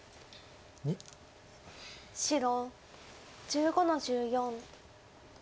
白１５の十四。